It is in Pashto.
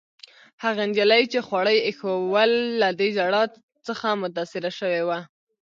هغې نجلۍ، چي خواړه يې ایښوول، له دې ژړا څخه متاثره شوې وه.